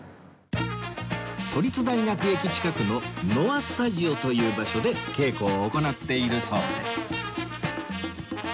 都立大学駅近くのノアスタジオという場所で稽古を行っているそうです